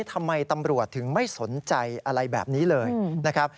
ทำไมตำรวจถึงไม่สนใจอะไรแบบนี้เลยนะครับ